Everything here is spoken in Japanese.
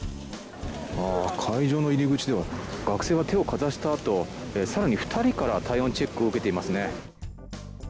会場の入り口では学生が手をかざしたあと更に２人から体温チェックを受けていますね。